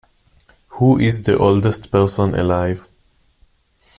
Who is the oldest person alive?